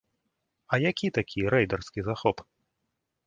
А які такі рэйдарскі захоп?